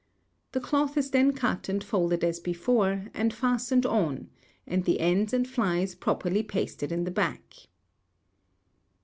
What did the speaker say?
The cloth is then cut and folded as before and fastened on, and the ends and flys properly pasted in the back.